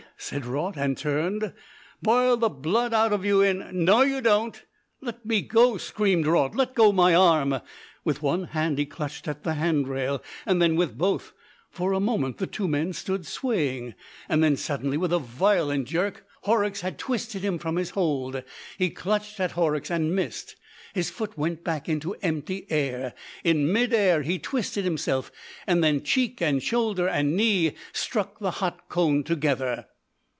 said Raut, and turned. "Boil the blood out of you in.... No, you don't!" "Let me go!" screamed Raut. "Let go my arm!" With one hand he clutched at the hand rail, then with both. For a moment the two men stood swaying. Then suddenly, with a violent jerk, Horrocks had twisted him from his hold. He clutched at Horrocks and missed, his foot went back into empty air; in mid air he twisted himself, and then cheek and shoulder and knee struck the hot cone together.